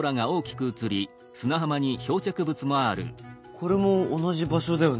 これも同じ場所だよね？